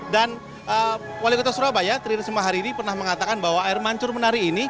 dan wali kota surabaya triris mahariri pernah mengatakan bahwa air mancur menari ini